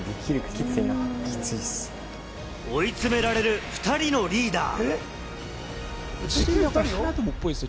追い詰められる２人のリーダー。